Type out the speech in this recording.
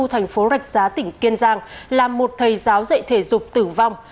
thành phố rạch giá tỉnh kiên giang làm một thầy giáo dạy thể dục tử vong